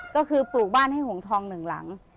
ก็คือปลูกบ้านให้หงฑ๑หลัง